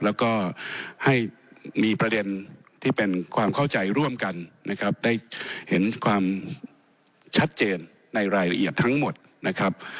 แล้วก็ให้มีประเด็นที่เป็นความเข้าใจร่วมกันนะครับได้เห็นความชัดเจนในรายละเอียดทั้งหมดนะครับ